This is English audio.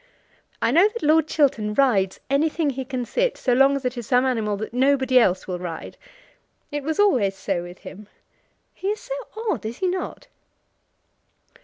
"I know that Lord Chiltern rides anything he can sit, so long as it is some animal that nobody else will ride. It was always so with him. He is so odd; is he not?"